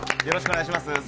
よろしくお願いします。